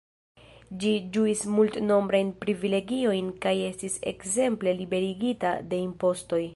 Ĝi ĝuis multnombrajn privilegiojn kaj estis ekzemple liberigita de impostoj.